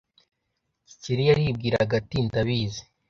Gikeli yaribwiraga ati « ndabizi